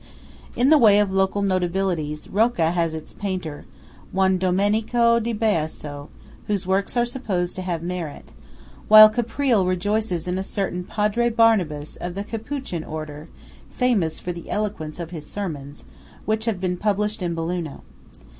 In the way of local notabilities, Rocca has its painter, one Domenico de Biasio, whose works are supposed to have merit; while Caprile rejoices in a certain Padre Barnabas of the Capuchin order, famous for the eloquence of his sermons, which have been published in Belluno.